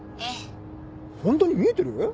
ホントに見えてる？